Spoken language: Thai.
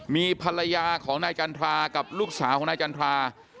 มีภรรยาของนายจันทรากับลูกสาวของนายจันทรา